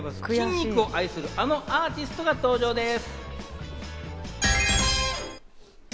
筋肉を愛する、あのアーティストが登場です。